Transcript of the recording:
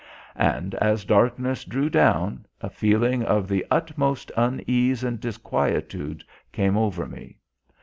And as darkness drew down, a feeling of the utmost unease and disquietude came over me.